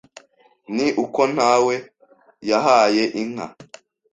ni uko ntawe yahaye inka